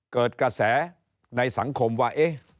เกิดกระแสในสังคมว่า